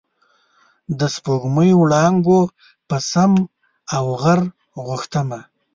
د سپوږمۍ وړانګو په سم او غر غوښتمه